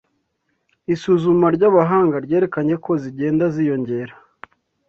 Isuzuma ry'abahanga ryerekanye ko zigenda ziyongera